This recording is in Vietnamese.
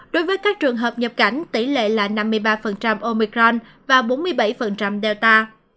đối với các trường hợp nhập cảnh tỷ lệ là năm mươi ba omicron và bốn mươi bảy delta